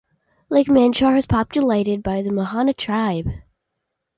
Lake Manchar is populated by the Mohana tribe.